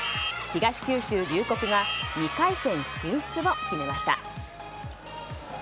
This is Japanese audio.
東九州龍谷が２回戦進出を決めました。